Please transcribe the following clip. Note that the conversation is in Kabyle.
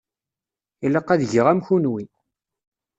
Ilaq ad geɣ am kunwi.